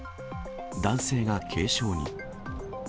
男性が軽傷に。